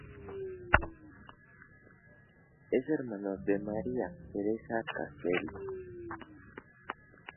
Es hermano de María Teresa Castells.